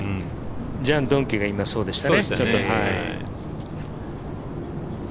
ジャン・ドンキュがそうでしたね。